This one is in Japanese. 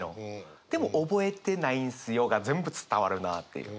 でも覚えてないんすよが全部伝わるなっていう。